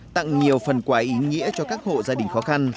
tặng nhiều phần quà ý nghĩa cho các hộ gia đình khó khăn